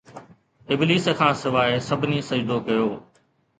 ابليس کان سواءِ سڀني سجدو ڪيو